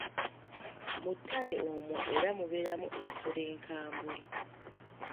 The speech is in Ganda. Mu ttale omwo era mubeeramu n'ensolo enkambwe.